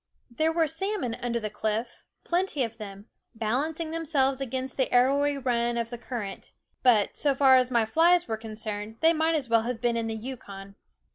There were salmon under the cliff, plenty of them, balancing themselves against the arrowy run of the current; but, so far as my flies were con cerned, they might as well have been in the Yukon.